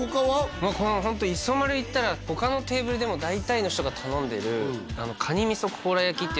もうこのホント磯丸行ったら他のテーブルでも大体の人が頼んでるあおいしいよね